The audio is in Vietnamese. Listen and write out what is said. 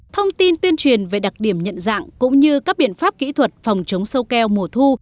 thông tin tuyên truyền về đặc điểm nhận dạng cũng như các biện pháp kỹ thuật phòng chống sâu keo mùa thu